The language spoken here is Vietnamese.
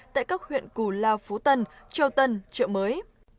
tại các huyện cù lao phú tân châu tân trợ mới